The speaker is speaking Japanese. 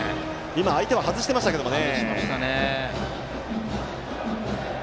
相手は外してましたけどね。